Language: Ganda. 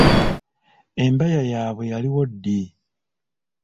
Embaya yaabwe yaliwo ddi?